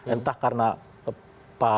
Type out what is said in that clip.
entah karena pak irman mengundurkan diri